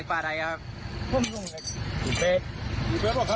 น่าว่ายังทางออกนะ